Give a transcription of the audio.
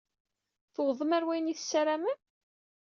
Tewwḍem ɣer wayen i tessaramem?